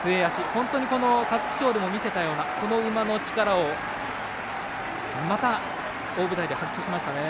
本当に、皐月賞でも見せたようなこの馬の力をまた大舞台で発揮しましたね。